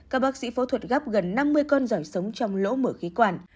cả bác sĩ phẫu thuật gắp gần năm mươi con dòi sống trong lỗ mở khí quản